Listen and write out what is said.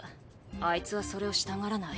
あいつはそれをしたがらない。